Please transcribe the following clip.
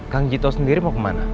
kang jito sendiri mau kemana